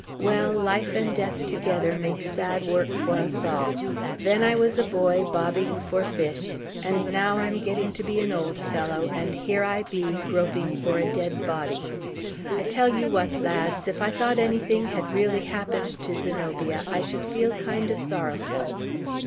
well, life and death together make sad work for us all! Then I was a boy, bobbing for fish; and now I am getting to be an old fellow, and here I be, groping for a dead body! I tell you what, lads; if I thought anything had really happened to Zenobia, I should feel kind o' sorrowful."